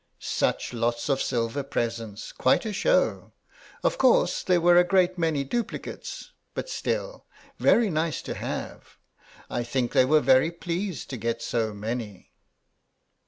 Such lots of silver presents, quite a show. Of course there were a great many duplicates, but still, very nice to have. I think they were very pleased to get so many."